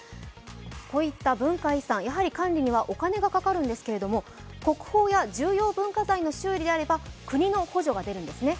こういった文化遺産、管理にはお金がかかるんですけど国宝や重要文化財の修理であれば国でお金が出るんですね。